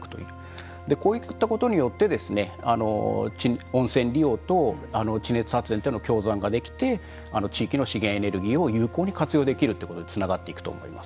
こういったことによってですね温泉利用と地熱発電との共存ができて地域の資源エネルギーを有効に活用できるということにつながっていくと思います。